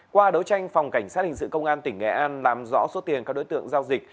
qua đấu tranh phòng cảnh sát hình sự công an tỉnh nghệ an làm rõ số tiền các đối tượng giao dịch